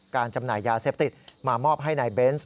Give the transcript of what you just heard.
จำหน่ายยาเสพติดมามอบให้นายเบนส์